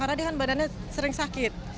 karena dia kan badannya sering sakit